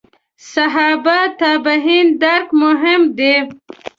صحابه تابعین درک مهم دي.